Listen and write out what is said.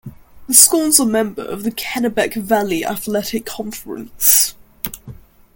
The school is a member of the Kennebec Valley Athletic Conference.